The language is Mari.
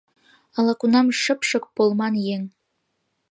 Ала-кунам шыпшык, полман еҥ